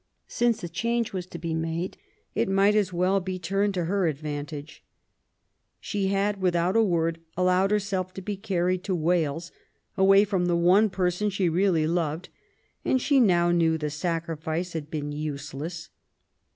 Since a change was to be made, it might as well be turned to her advantage. She had, without a word, allowed her self to be carried to Wales away from the one person she really loved, and she now knew the sacrifice had been useless.